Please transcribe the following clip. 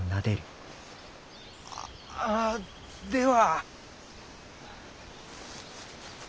あでは。